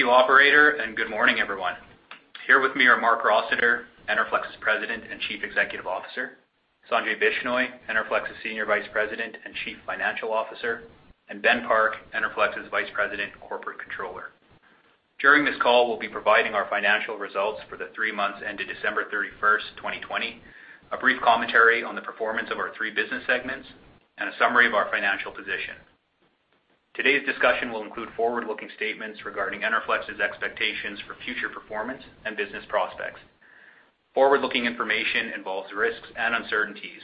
Thank you operator. Good morning, everyone. Here with me are Marc Rossiter, Enerflex's President and Chief Executive Officer; Sanjay Bishnoi, Enerflex's Senior Vice President and Chief Financial Officer; and Ben Park, Enerflex's Vice President and Corporate Controller. During this call, we'll be providing our financial results for the three months ended December 31st, 2020, a brief commentary on the performance of our three business segments, and a summary of our financial position. Today's discussion will include forward-looking statements regarding Enerflex's expectations for future performance and business prospects. Forward-looking information involves risks and uncertainties,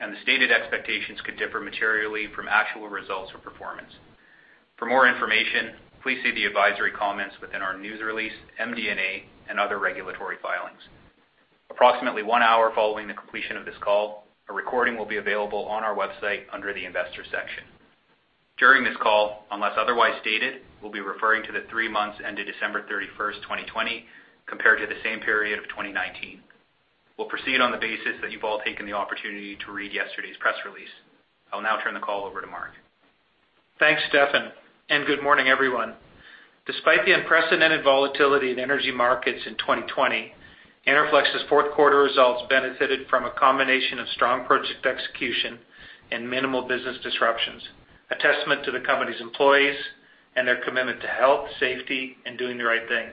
and the stated expectations could differ materially from actual results or performance. For more information, please see the advisory comments within our news release, MD&A, and other regulatory filings. Approximately one hour following the completion of this call, a recording will be available on our website under the investor section. During this call, unless otherwise stated, we'll be referring to the three months ended December 31st, 2020, compared to the same period of 2019. We'll proceed on the basis that you've all taken the opportunity to read yesterday's press release. I'll now turn the call over to Marc. Thanks, Stefan. Good morning, everyone. Despite the unprecedented volatility in energy markets in 2020, Enerflex's fourth quarter results benefited from a combination of strong project execution and minimal business disruptions, a testament to the company's employees and their commitment to health, safety, and doing the right thing.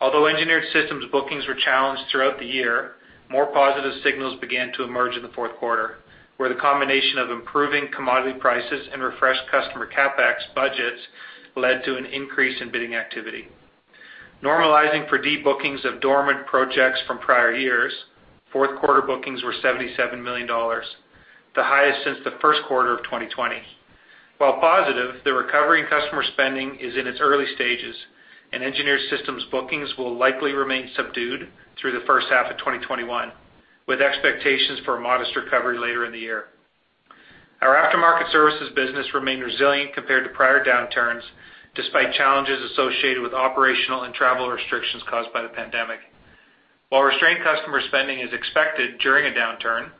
Although Engineered Systems bookings were challenged throughout the year, more positive signals began to emerge in the fourth quarter, where the combination of improving commodity prices and refreshed customer CapEx budgets led to an increase in bidding activity. Normalizing for debookings of dormant projects from prior years, fourth quarter bookings were $77 million, the highest since the first quarter of 2020. While positive, the recovery in customer spending is in its early stages. Engineered Systems bookings will likely remain subdued through the first half of 2021, with expectations for a modest recovery later in the year. Our aftermarket services business remained resilient compared to prior downturns, despite challenges associated with operational and travel restrictions caused by the pandemic. While restrained customer spending is expected during a downturn,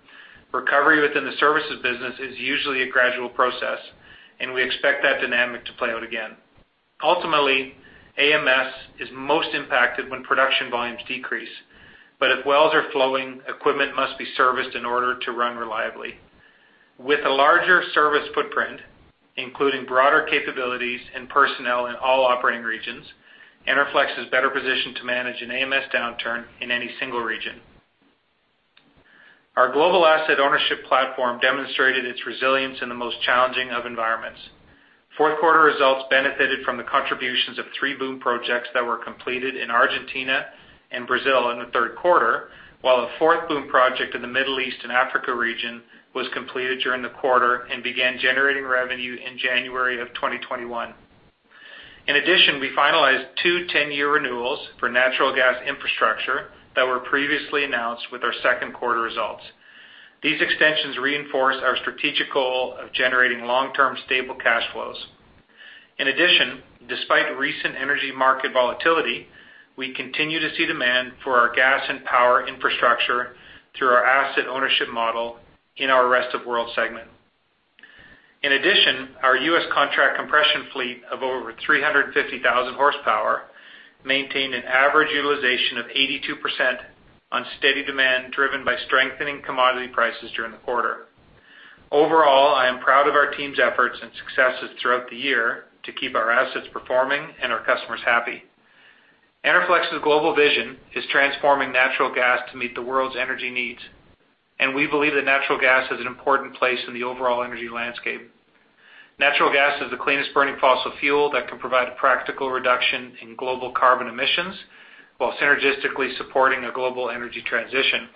recovery within the services business is usually a gradual process, and we expect that dynamic to play out again. Ultimately, AMS is most impacted when production volumes decrease. If wells are flowing, equipment must be serviced in order to run reliably. With a larger service footprint, including broader capabilities and personnel in all operating regions, Enerflex is better positioned to manage an AMS downturn in any single region. Our global asset ownership platform demonstrated its resilience in the most challenging of environments. Fourth quarter results benefited from the contributions of three BOOM projects that were completed in Argentina and Brazil in the third quarter, while a fourth BOOM project in the Middle East and Africa region was completed during the quarter and began generating revenue in January of 2021. In addition, we finalized two 10-year renewals for natural gas infrastructure that were previously announced with our second quarter results. These extensions reinforce our strategic goal of generating long-term, stable cash flows. In addition, despite recent energy market volatility, we continue to see demand for our gas and power infrastructure through our asset ownership model in our Rest of World segment. In addition, our U.S. contract compression fleet of over 350,000 hp maintained an average utilization of 82% on steady demand driven by strengthening commodity prices during the quarter. Overall, I am proud of our team's efforts and successes throughout the year to keep our assets performing and our customers happy. Enerflex's global vision is transforming natural gas to meet the world's energy needs, and we believe that natural gas has an important place in the overall energy landscape. Natural gas is the cleanest-burning fossil fuel that can provide a practical reduction in global carbon emissions while synergistically supporting a global energy transition.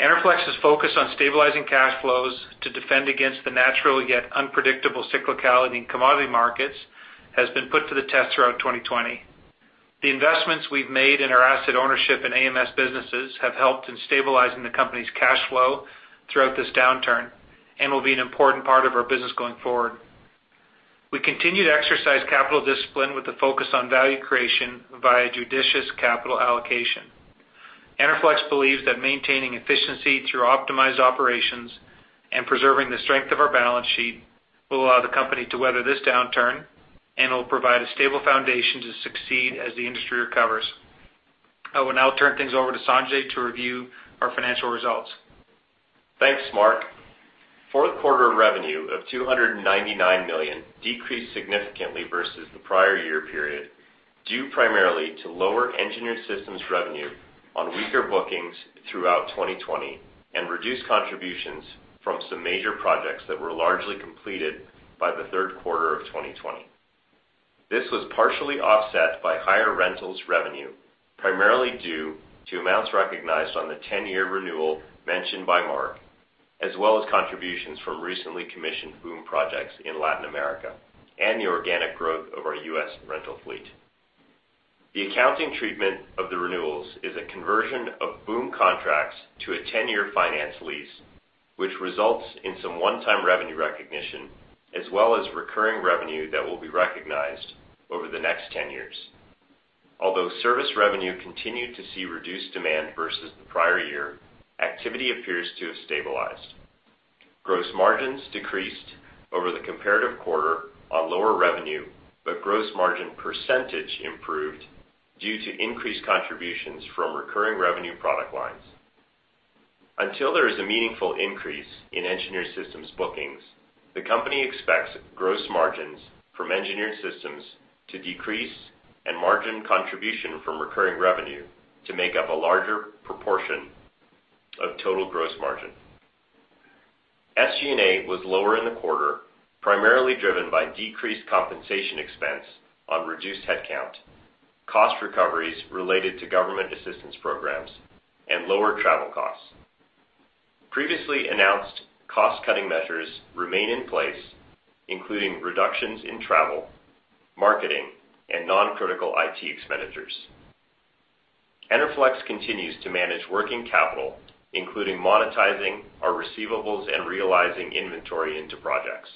Enerflex is focused on stabilizing cash flows to defend against the natural, yet unpredictable cyclicality in commodity markets has been put to the test throughout 2020. The investments we've made in our asset ownership and AMS businesses have helped in stabilizing the company's cash flow throughout this downturn and will be an important part of our business going forward. We continue to exercise capital discipline with a focus on value creation via judicious capital allocation. Enerflex believes that maintaining efficiency through optimized operations and preserving the strength of our balance sheet will allow the company to weather this downturn and will provide a stable foundation to succeed as the industry recovers. I will now turn things over to Sanjay to review our financial results. Thanks, Marc. Fourth quarter revenue of $299 million decreased significantly versus the prior year period, due primarily to lower Engineered Systems revenue on weaker bookings throughout 2020 and reduced contributions from some major projects that were largely completed by the third quarter of 2020. This was partially offset by higher rentals revenue, primarily due to amounts recognized on the 10-year renewal mentioned by Marc, as well as contributions from recently commissioned BOOM projects in Latin America and the organic growth of our U.S. rental fleet. The accounting treatment of the renewals is a conversion of BOOM contracts to a 10-year finance lease, which results in some one-time revenue recognition, as well as recurring revenue that will be recognized over the next 10 years. Although service revenue continued to see reduced demand versus the prior year, activity appears to have stabilized. Gross margins decreased over the comparative quarter on lower revenue, but gross margin percentage improved due to increased contributions from recurring revenue product lines. Until there is a meaningful increase in Engineered Systems bookings, the company expects gross margins from Engineered Systems to decrease and margin contribution from recurring revenue to make up a larger proportion of total gross margin. SG&A was lower in the quarter, primarily driven by decreased compensation expense on reduced headcount, cost recoveries related to government assistance programs, and lower travel costs. Previously announced cost-cutting measures remain in place, including reductions in travel, marketing, and non-critical IT expenditures. Enerflex continues to manage working capital, including monetizing our receivables and realizing inventory into projects.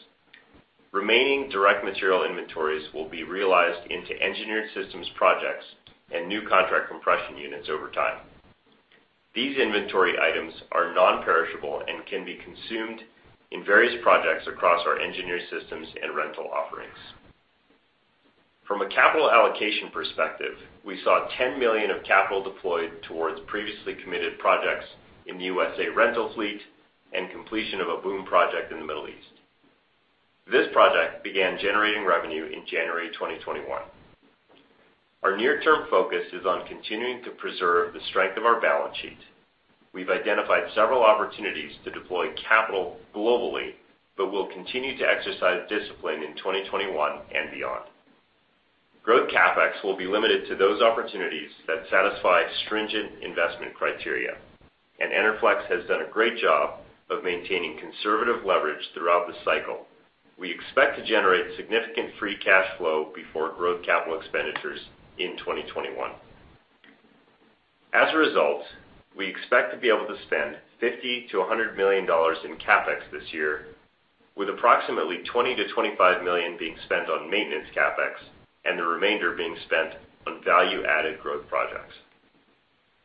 Remaining direct material inventories will be realized into Engineered Systems projects and new contract compression units over time. These inventory items are non-perishable and can be consumed in various projects across our Engineered Systems and rental offerings. From a capital allocation perspective, we saw $10 million of capital deployed towards previously committed projects in the USA rental fleet and completion of a BOOM project in the Middle East. This project began generating revenue in January 2021. Our near-term focus is on continuing to preserve the strength of our balance sheet. We've identified several opportunities to deploy capital globally, but we'll continue to exercise discipline in 2021 and beyond. Growth CapEx will be limited to those opportunities that satisfy stringent investment criteria. Enerflex has done a great job of maintaining conservative leverage throughout the cycle. We expect to generate significant free cash flow before growth capital expenditures in 2021. As a result, we expect to be able to spend $50 million-$100 million in CapEx this year, with approximately $20 million-$25 million being spent on maintenance CapEx and the remainder being spent on value-added growth projects.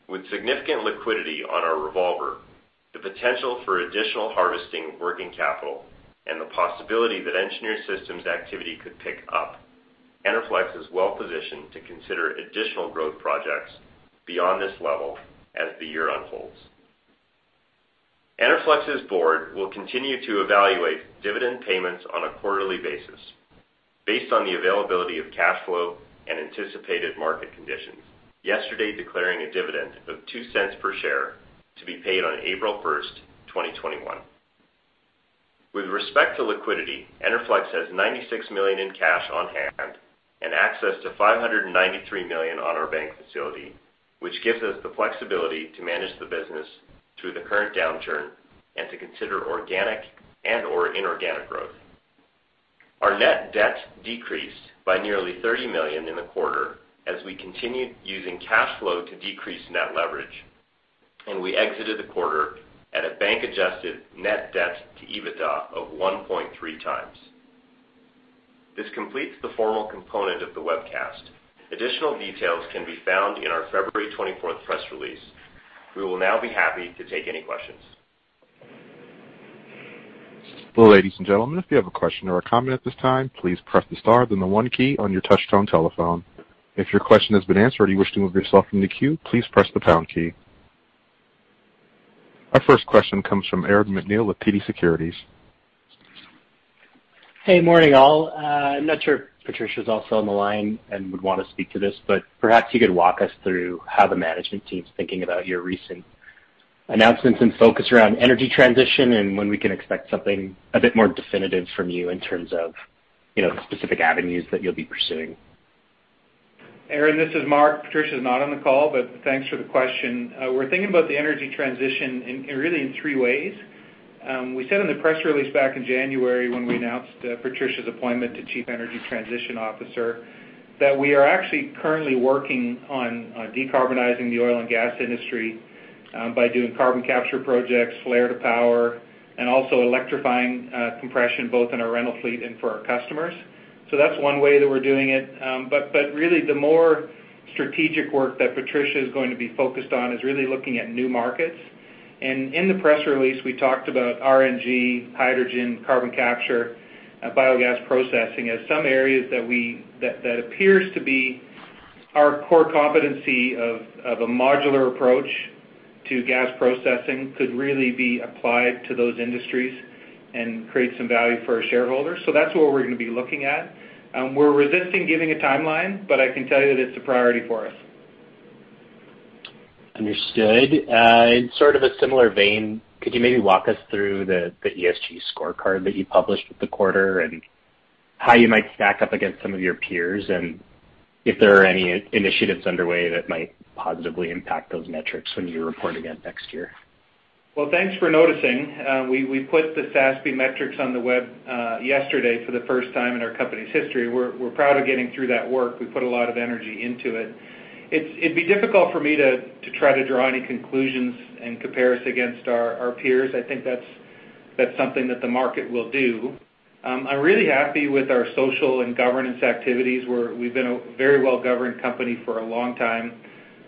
With significant liquidity on our revolver, the potential for additional harvesting working capital, and the possibility that Engineered Systems activity could pick up, Enerflex is well positioned to consider additional growth projects beyond this level as the year unfolds. Enerflex's board will continue to evaluate dividend payments on a quarterly basis based on the availability of cash flow and anticipated market conditions, yesterday declaring a dividend of $0.02 per share to be paid on April 1st, 2021. With respect to liquidity, Enerflex has $96 million in cash on hand and access to $593 million on our bank facility, which gives us the flexibility to manage the business through the current downturn and to consider organic and/or inorganic growth. Our net debt decreased by nearly $30 million in the quarter as we continued using cash flow to decrease net leverage, and we exited the quarter at a bank-adjusted net debt to EBITDA of 1.3x. This completes the formal component of the webcast. Additional details can be found in our February 24th press release. We will now be happy to take any questions. Ladies and gentlemen, if you have a question or a comment at this time, please press the star and then one key on your touch-tone telephone. If your question has been asked or you wish to remove yourself in the queue please press the pound key. Our first question comes from Aaron MacNeil with TD Securities. Hey, morning, all. I'm not sure if Patricia's also on the line and would want to speak to this, but perhaps you could walk us through how the management team's thinking about your recent announcements and focus around energy transition and when we can expect something a bit more definitive from you in terms of the specific avenues that you'll be pursuing? Aaron, this is Marc. Patricia is not on the call, but thanks for the question. We're thinking about the energy transition really in three ways. We said in the press release back in January when we announced Patricia's appointment to Chief Energy Transition Officer that we are actually currently working on decarbonizing the oil and gas industry by doing carbon capture projects, flare-to-power, and also electrifying compression, both in our rental fleet and for our customers. That's one way that we're doing it. Really, the more strategic work that Patricia is going to be focused on is really looking at new markets. In the press release, we talked about RNG, hydrogen, carbon capture, biogas processing as some areas that appears to be our core competency of a modular approach to gas processing could really be applied to those industries and create some value for our shareholders. That's what we're going to be looking at. We're resisting giving a timeline, but I can tell you that it's a priority for us. Understood. In sort of a similar vein, could you maybe walk us through the ESG scorecard that you published for the quarter and how you might stack up against some of your peers, and if there are any initiatives underway that might positively impact those metrics when you report again next year? Well, thanks for noticing. We put the SASB metrics on the web yesterday for the first time in our company's history. We're proud of getting through that work. We put a lot of energy into it. It'd be difficult for me to try to draw any conclusions and compare us against our peers. I think that's something that the market will do. I'm really happy with our social and governance activities. We've been a very well-governed company for a long time.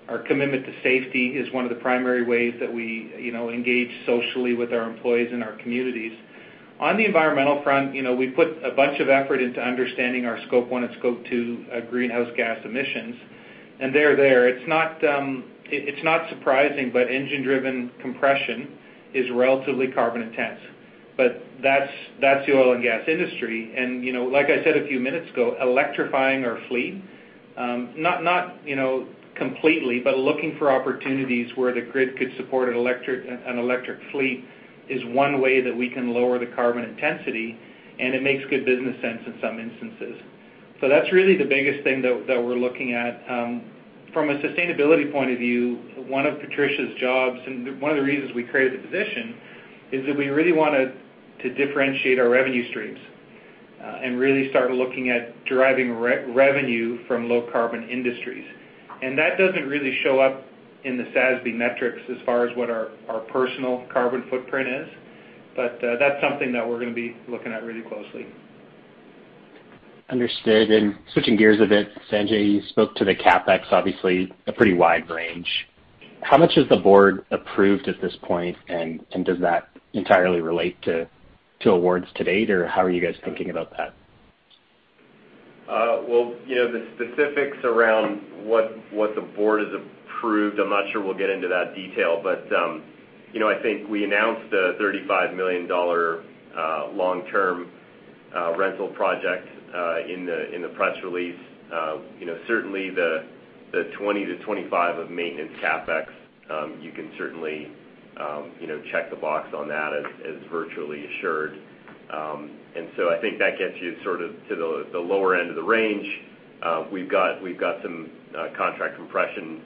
Our commitment to safety is one of the primary ways that we engage socially with our employees and our communities. On the environmental front, we put a bunch of effort into understanding our Scope 1 and Scope 2 greenhouse gas emissions. They're there. It's not surprising, but engine-driven compression is relatively carbon intense, but that's the oil and gas industry. Like I said a few minutes ago, electrifying our fleet, not completely, but looking for opportunities where the grid could support an electric fleet is one way that we can lower the carbon intensity, and it makes good business sense in some instances. That's really the biggest thing that we're looking at. From a sustainability point of view, one of Patricia's jobs, and one of the reasons we created the position, is that we really want to differentiate our revenue streams and really start looking at deriving revenue from low-carbon industries. That doesn't really show up in the SASB metrics as far as what our personal carbon footprint is. That's something that we're going to be looking at really closely. Understood. Switching gears a bit, Sanjay, you spoke to the CapEx, obviously a pretty wide range. How much has the board approved at this point, and does that entirely relate to awards to date, or how are you guys thinking about that? The specifics around what the board has approved, I'm not sure we'll get into that detail. I think we announced a $35 million long-term rental project in the press release. Certainly the $20 million-$25 million of maintenance CapEx, you can certainly check the box on that as virtually assured. I think that gets you sort of to the lower end of the range. We've got some contract compression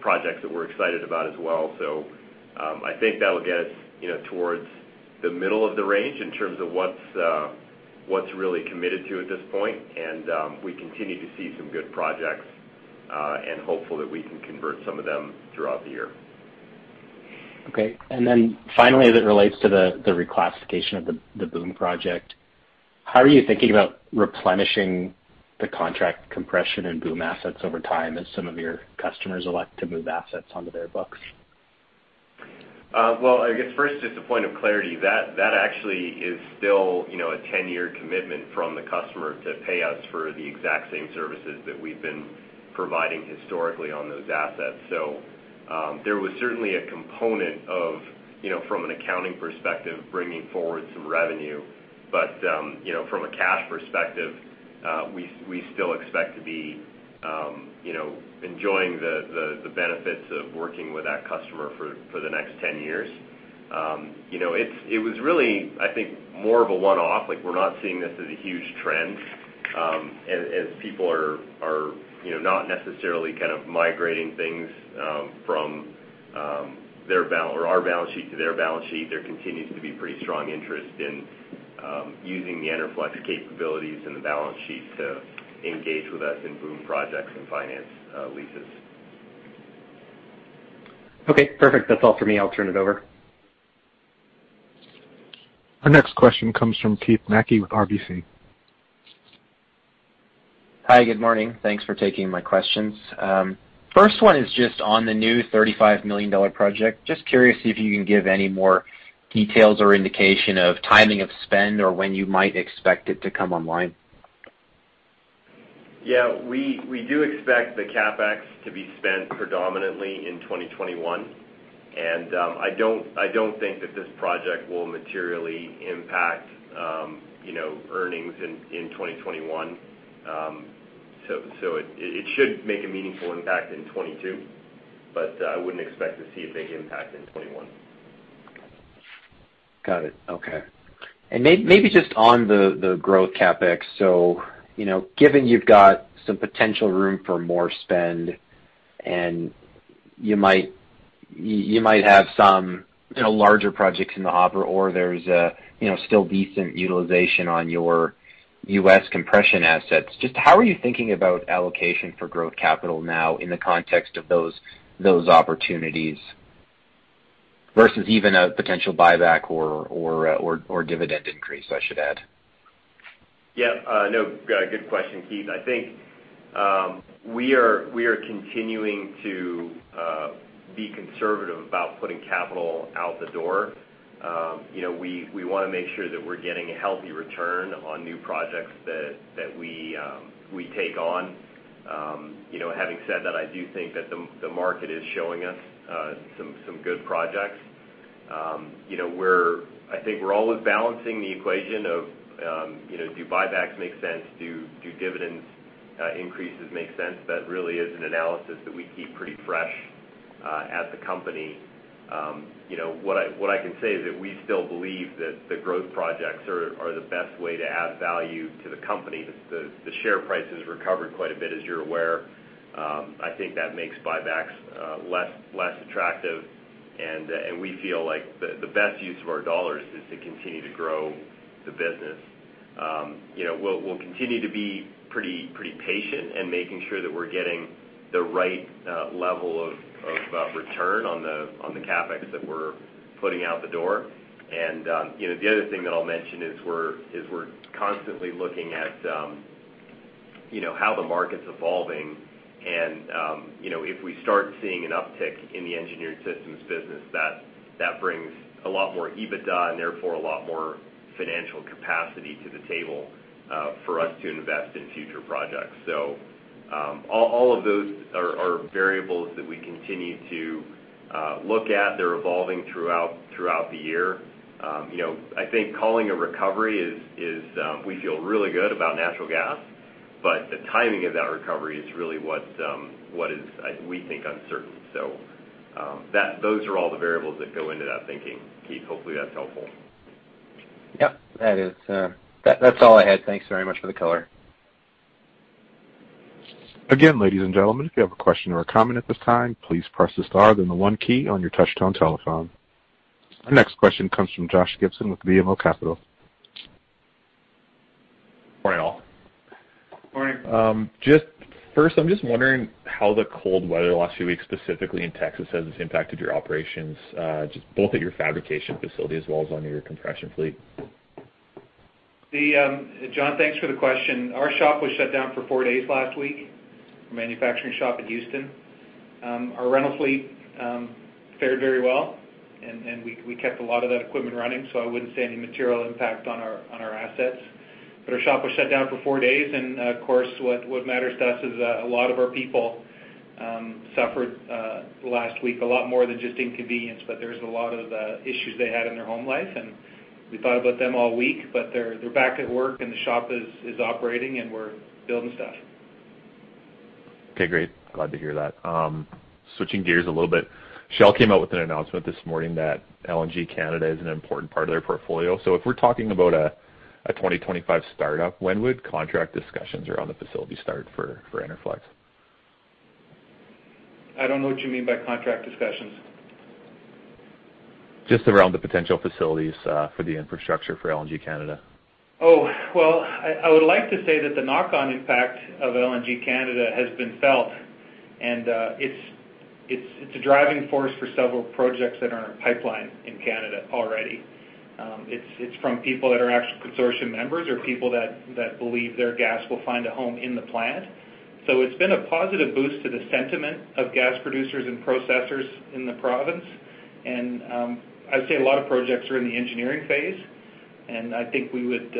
projects that we're excited about as well. I think that'll get us towards the middle of the range in terms of what's really committed to at this point. We continue to see some good projects and hopeful that we can convert some of them throughout the year. Okay. Then finally, as it relates to the reclassification of the BOOM project, how are you thinking about replenishing the contract compression and BOOM assets over time as some of your customers elect to move assets onto their books? I guess first, just a point of clarity, that actually is still a 10-year commitment from the customer to pay us for the exact same services that we've been providing historically on those assets. There was certainly a component of, from an accounting perspective, bringing forward some revenue. From a cash perspective, we still expect to be enjoying the benefits of working with that customer for the next 10 years. It was really, I think, more of a one-off. We're not seeing this as a huge trend as people are not necessarily kind of migrating things from our balance sheet to their balance sheet. There continues to be pretty strong interest in using the Enerflex capabilities and the balance sheet to engage with us in BOOM projects and finance leases. Okay, perfect. That's all for me. I'll turn it over. Our next question comes from Keith Mackey with RBC. Hi, good morning. Thanks for taking my questions. First one is just on the new $35 million project. Just curious if you can give any more details or indication of timing of spend or when you might expect it to come online. We do expect the CapEx to be spent predominantly in 2021, and I don't think that this project will materially impact earnings in 2021. It should make a meaningful impact in 2022, but I wouldn't expect to see a big impact in 2021. Got it. Okay. Maybe just on the growth CapEx. Given you've got some potential room for more spend, and you might have some larger projects in the hopper or there's still decent utilization on your U.S. compression assets, just how are you thinking about allocation for growth capital now in the context of those opportunities versus even a potential buyback or dividend increase, I should add? No, good question, Keith. I think we are continuing to be conservative about putting capital out the door. We want to make sure that we're getting a healthy return on new projects that we take on. Having said that, I do think that the market is showing us some good projects. I think we're always balancing the equation of do buybacks make sense? Do dividend increases make sense? That really is an analysis that we keep pretty fresh at the company. What I can say is that we still believe that the growth projects are the best way to add value to the company. The share price has recovered quite a bit, as you're aware. I think that makes buybacks less attractive, and we feel like the best use of our dollars is to continue to grow the business. We'll continue to be pretty patient in making sure that we're getting the right level of return on the CapEx that we're putting out the door. The other thing that I'll mention is we're constantly looking at how the market's evolving. If we start seeing an uptick in the Engineered Systems business, that brings a lot more EBITDA and therefore a lot more financial capacity to the table for us to invest in future projects. All of those are variables that we continue to look at. They're evolving throughout the year. I think calling a recovery is we feel really good about natural gas, but the timing of that recovery is really what is, we think, uncertain. Those are all the variables that go into that thinking, Keith. Hopefully that's helpful. Yep, that is. That's all I had. Thanks very much for the color. Again, ladies and gentlemen, if you have a question or a comment at this time, please press the star, then the one key on your touch-tone telephone. Our next question comes from John Gibson with BMO Capital. Morning, all. Morning. Just first, I'm just wondering how the cold weather the last few weeks, specifically in Texas, has impacted your operations, just both at your fabrication facility as well as on your compression fleet? John, thanks for the question. Our shop was shut down for four days last week, our manufacturing shop in Houston. Our rental fleet fared very well, and we kept a lot of that equipment running, so I wouldn't say any material impact on our assets. Our shop was shut down for four days, and of course, what matters to us is a lot of our people suffered last week, a lot more than just inconvenience, but there's a lot of issues they had in their home life, and we thought about them all week, but they're back at work, and the shop is operating, and we're building stuff. Okay, great. Glad to hear that. Switching gears a little bit, Shell came out with an announcement this morning that LNG Canada is an important part of their portfolio. If we're talking about a 2025 startup, when would contract discussions around the facility start for Enerflex? I don't know what you mean by contract discussions. Just around the potential facilities for the infrastructure for LNG Canada. Well, I would like to say that the knock-on impact of LNG Canada has been felt. It's a driving force for several projects that are in our pipeline in Canada already. It's from people that are actual consortium members or people that believe their gas will find a home in the plant. It's been a positive boost to the sentiment of gas producers and processors in the province. I would say a lot of projects are in the engineering phase, and I think we would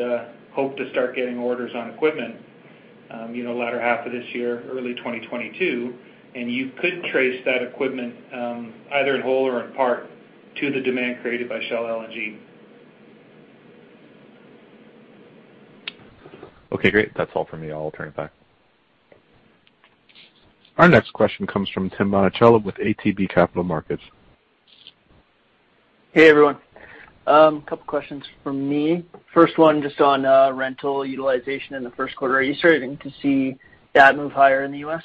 hope to start getting orders on equipment latter half of this year, early 2022. You could trace that equipment, either in whole or in part, to the demand created by Shell LNG. Okay, great. That's all for me. I'll turn it back. Our next question comes from Tim Monachello with ATB Capital Markets. Hey, everyone. Couple questions from me. First one, just on rental utilization in the first quarter. Are you starting to see that move higher in the U.S.?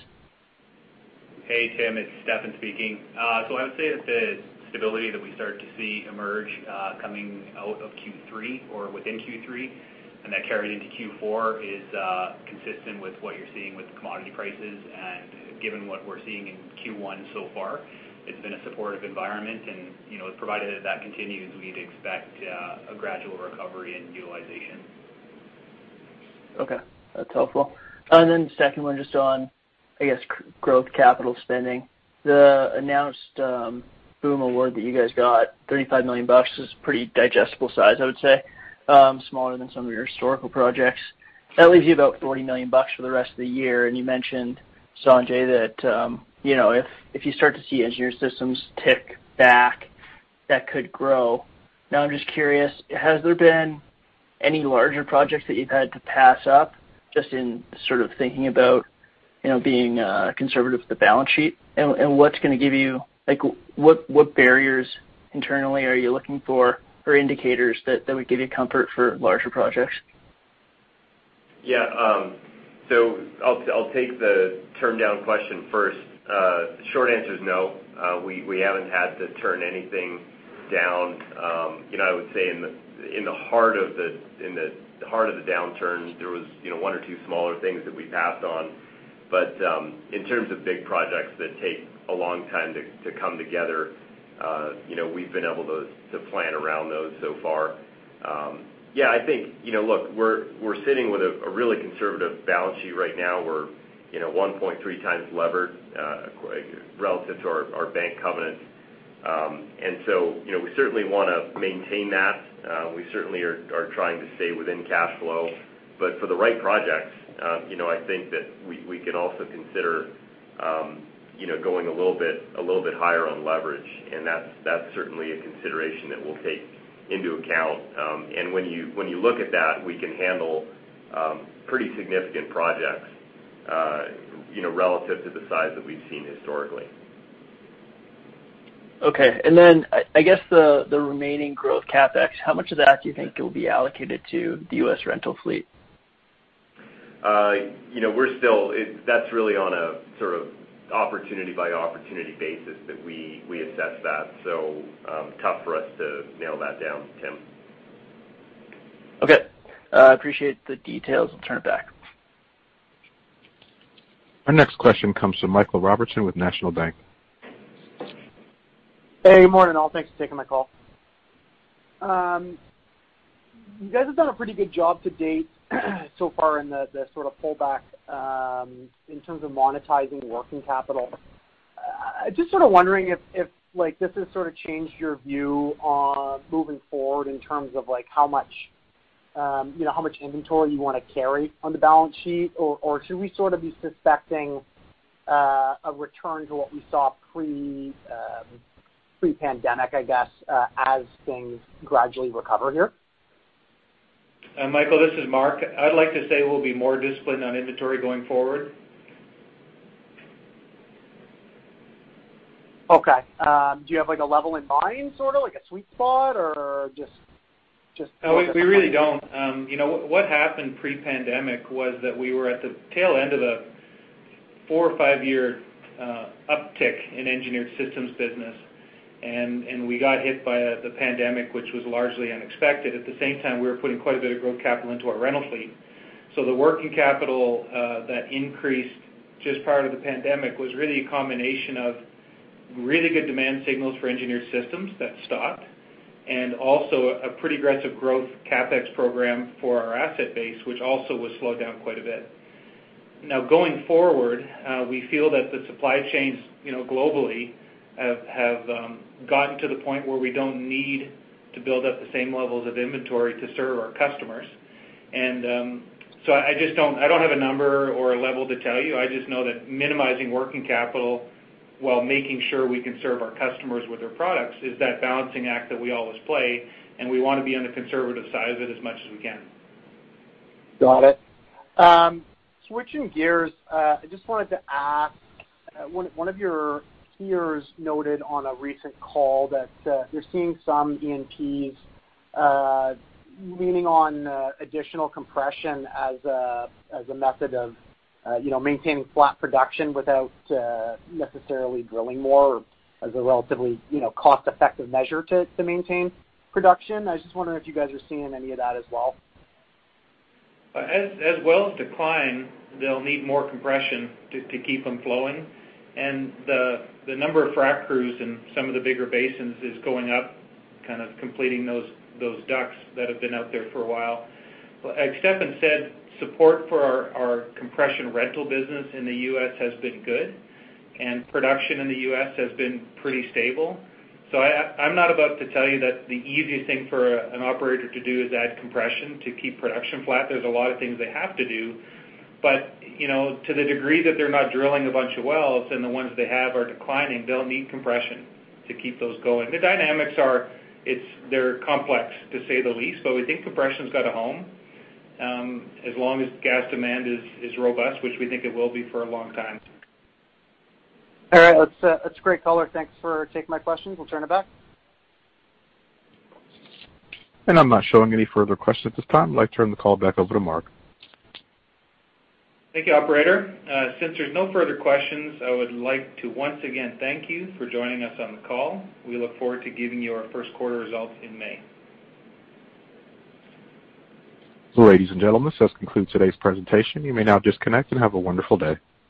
Hey, Tim. It's Stefan speaking. I would say that the stability that we started to see emerge coming out of Q3 or within Q3, and that carried into Q4, is consistent with what you're seeing with the commodity prices. Given what we're seeing in Q1 so far, it's been a supportive environment and provided that continues, we'd expect a gradual recovery in utilization. Okay, that's helpful. Second one, just on, I guess, growth capital spending. The announced BOOM award that you guys got, $35 million, is pretty digestible size, I would say, smaller than some of your historical projects. That leaves you about $40 million for the rest of the year, and you mentioned, Sanjay, that if you start to see Engineered Systems tick back, that could grow. I'm just curious, has there been any larger projects that you've had to pass up, just in sort of thinking about being conservative with the balance sheet? What barriers internally are you looking for, or indicators that would give you comfort for larger projects? Yeah. I'll take the turn down question first. Short answer's no. We haven't had to turn anything down. I would say in the heart of the downturn, there was one or two smaller things that we passed on. In terms of big projects that take a long time to come together, we've been able to plan around those so far. Yeah, I think, look, we're sitting with a really conservative balance sheet right now. We're 1.3x levered relative to our bank covenants. We certainly want to maintain that. We certainly are trying to stay within cash flow. For the right projects, I think that we could also consider going a little bit higher on leverage, and that's certainly a consideration that we'll take into account. When you look at that, we can handle pretty significant projects relative to the size that we've seen historically. Okay. Then, I guess the remaining growth CapEx, how much of that do you think will be allocated to the U.S. rental fleet? That's really on a sort of opportunity-by-opportunity basis that we assess that. Tough for us to nail that down, Tim. Okay. I appreciate the details. I'll turn it back. Our next question comes from Michael Robertson with National Bank. Hey, good morning, all. Thanks for taking my call. You guys have done a pretty good job to date so far in the sort of pullback in terms of monetizing working capital. Sort of wondering if this has sort of changed your view on moving forward in terms of how much inventory you want to carry on the balance sheet, or should we sort of be suspecting a return to what we saw pre-pandemic, I guess, as things gradually recover here? Michael, this is Marc. I'd like to say we'll be more disciplined on inventory going forward. Okay. Do you have a level in mind, sort of like a sweet spot or just- No, we really don't. What happened pre-pandemic was that we were at the tail end of a four- or five-year uptick in Engineered Systems business, and we got hit by the pandemic, which was largely unexpected. At the same time, we were putting quite a bit of growth capital into our rental fleet. The working capital that increased just prior to the pandemic was really a combination of really good demand signals for Engineered Systems that stopped and also a pretty aggressive growth CapEx program for our asset base, which also was slowed down quite a bit. Now, going forward, we feel that the supply chains globally have gotten to the point where we don't need to build up the same levels of inventory to serve our customers. I don't have a number or a level to tell you. I just know that minimizing working capital while making sure we can serve our customers with their products is that balancing act that we always play, and we want to be on the conservative side of it as much as we can. Got it. Switching gears, I just wanted to ask, one of your peers noted on a recent call that you're seeing some E&P leaning on additional compression as a method of maintaining flat production without necessarily drilling more as a relatively cost-effective measure to maintain production. I was just wondering if you guys are seeing any of that as well. As wells decline, they'll need more compression to keep them flowing. The number of frac crews in some of the bigger basins is going up, kind of completing those DUCs that have been out there for a while. Like Stefan said, support for our compression rental business in the U.S. has been good, and production in the U.S. has been pretty stable. I'm not about to tell you that the easiest thing for an operator to do is add compression to keep production flat. There's a lot of things they have to do. To the degree that they're not drilling a bunch of wells and the ones they have are declining, they'll need compression to keep those going. The dynamics, they're complex, to say the least, but we think compression's got a home as long as gas demand is robust, which we think it will be for a long time. All right. That's a great color. Thanks for taking my questions. We'll turn it back. I'm not showing any further questions at this time. I'd like to turn the call back over to Marc. Thank you, operator. Since there's no further questions, I would like to once again thank you for joining us on the call. We look forward to giving you our first quarter results in May. Ladies and gentlemen, this concludes today's presentation. You may now disconnect. Have a wonderful day.